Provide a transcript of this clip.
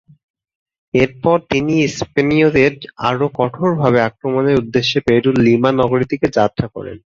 এরপর তিনি স্পেনীয়দের আরো কঠোরভাবে আক্রমণের উদ্দেশ্যে পেরুর লিমা নগরীর দিকে যাত্রা করেন।